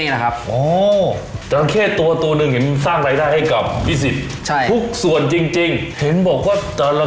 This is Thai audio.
ราคามันตกเหรอ